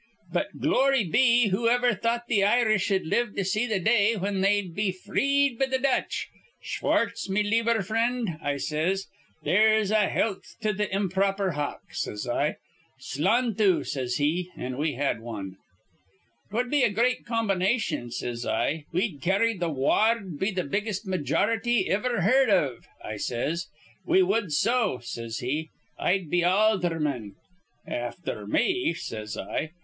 'But, glory be, who iver thought th' Irish'd live to see th' day whin they'd be freed be th' Dutch? Schwartz, me lieber frind,' I says, 'here's a health to th' imp'ror, hock,' says I. 'Slanthu,' says he; an' we had wan. "''Twud be a great combination,' says I, 'We'd carry th' wa ard be th' biggest majority iver heerd iv,' I says. 'We wud so,' says he. 'I'd be aldherman.' 'Afther me,' says I.